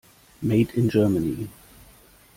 Made in Germany.